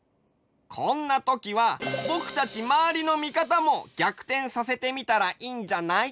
こんなときはぼくたちまわりの見方も逆転させてみたらいいんじゃない？